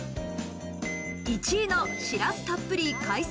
１位のしらすたっぷり海鮮